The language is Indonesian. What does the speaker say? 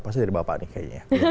pasti dari bapak nih kayaknya